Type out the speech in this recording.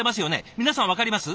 皆さん分かります？